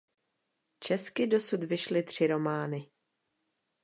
Česky dosud vyšly tři romány.